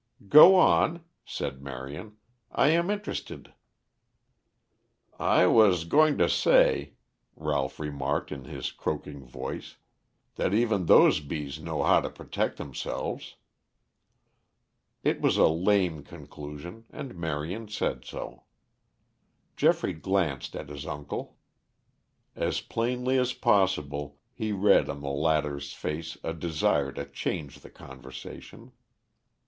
"Go on," said Marion. "I am interested." "I was going to say," Ralph remarked in his croaking voice, "that even those bees know how to protect themselves." It was a lame conclusion and Marion said so. Geoffrey glanced at his uncle. As plainly as possible he read on the latter's face a desire to change the conversation.